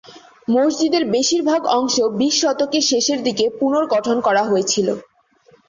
মসজিদের বেশিরভাগ অংশ বিশ শতকের শেষের দিকে পুনর্গঠন করা হয়েছিল।